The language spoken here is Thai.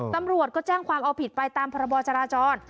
ตำรวจก็แจ้งความเอาผิดไปตามพรบจราจร